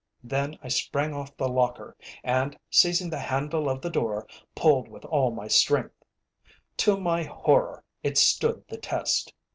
Then I sprang off the locker, and, seizing the handle of the door, pulled with all my strength. To my horror it stood the test.